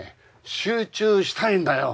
集中したいんだよ。